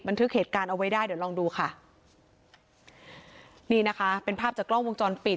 ทึกเหตุการณ์เอาไว้ได้เดี๋ยวลองดูค่ะนี่นะคะเป็นภาพจากกล้องวงจรปิด